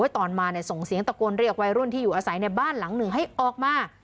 ตอนมาส่งเสียงตะโกนเรียกวัยรุ่นที่อยู่อาศัยในบ้านหลังหนึ่งให้ออกมา